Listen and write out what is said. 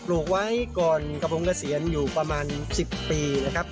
ลูกไว้ก่อนกระพงเกษียณอยู่ประมาณ๑๐ปีนะครับ